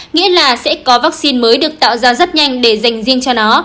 nghĩa là sẽ có vaccine mới được tạo ra rất nhanh để dành riêng cho nó